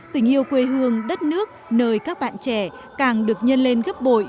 tình yêu quê hương đất nước nơi các bạn trẻ càng được nhân lên gấp bội